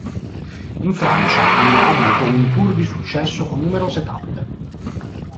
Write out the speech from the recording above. In Francia hanno avuto un tour di successo con numerose tappe.